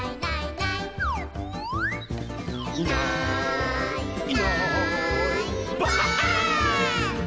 「いないいないばあっ！」